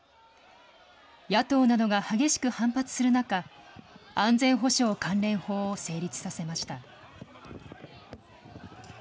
野党などが激しく反発する中、安全保障関連法を成立させました。